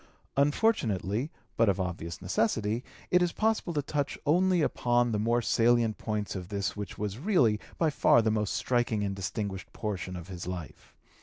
Unfortunately, but of obvious necessity, it is possible to touch only upon the more salient points of this which was really by far the most striking and distinguished portion of his life.